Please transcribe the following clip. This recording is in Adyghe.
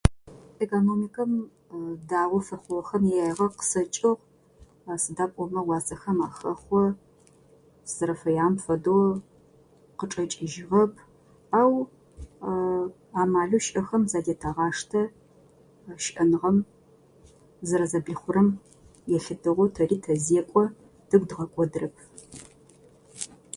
Экономикэм даоу щыхъугъэхэм я еягъэ къысэкӏыгъ. Сыда пӏомэ уасэхэм ахэхъо. Тызэрэфэягъэм фэдэу къычӏэкӏыжьырэп. Ау амалэу щыӏэхэм задятэгъаштэ. Щыӏэныгъэм зэрэзэблихъурэм елъытыгъэу тэри тэзекӏуэ. Тыгу дгъэкӏодырэп.